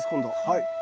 はい。